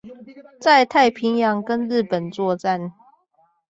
在太平洋跟日本作戰